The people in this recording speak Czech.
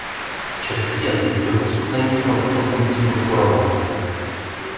Český jazyk doposud není pro tuto funkci podporován.